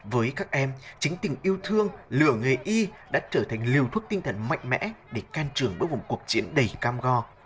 với các em chính tình yêu thương lửa nghề y đã trở thành liều thuốc tinh thần mạnh mẽ để can trường bước vào một cuộc chiến đầy cam go